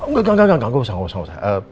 enggak enggak enggak enggak enggak usah